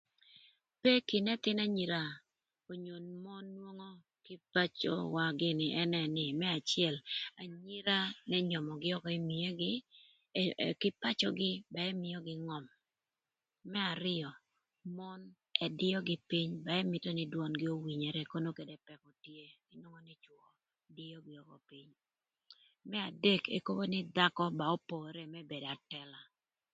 Peki n'ëthïn anyira onyo mon nwongo kï ï pacöwa gïnï ënë nï më acël anyira n'ënyömögï ökö ï miegï kï pacögï më mïögï ngöm, më arïö mon ëdïögï pïny ba ëmïtö nï dwöngï owinyere kadï bed peki tye, më adek ekobo nï dhakö ba opore më bedo atëla.